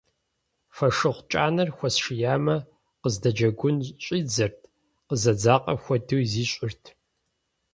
Фошыгъу кӀанэр хуэсшиямэ, къыздэджэгун щӀидзэрт, къызэдзакъэ хуэдэуи зищӀырт.